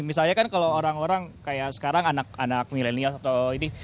misalnya kan kalau orang orang kayak sekarang anak anak milenial atau ini